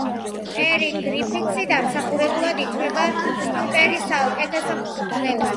ტერი გრიფითსი დამსახურებულად ითვლება სნუკერის საუკეთესო მწვრთნელად.